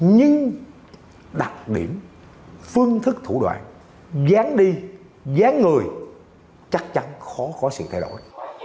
nhưng đặc điểm phương thức thủ đoạn dán đi dán người chắc chắn khó có sự thay đổi